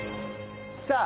さあ